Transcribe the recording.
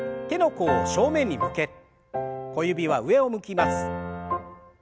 手の甲を正面に向け小指は上を向きます。